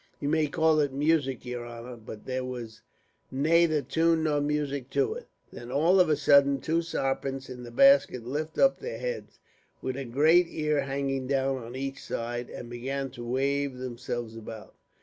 Ye may call it music, yer honor, but there was nayther tune nor music in it. "Then all of a suddint two sarpents in the basket lifts up their heads, with a great ear hanging down on each side, and began to wave themselves about."